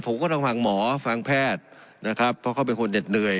ผมก็ต้องฟังหมอฟังแพทย์นะครับเพราะเขาเป็นคนเหน็ดเหนื่อย